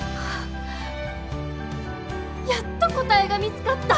やっと答えが見つかった！